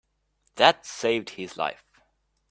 That saved his life.